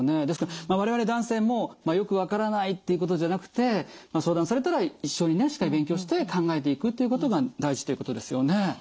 ですから我々男性もよく分からないっていうことじゃなくて相談されたら一緒にねしっかり勉強して考えていくっていうことが大事ということですよね。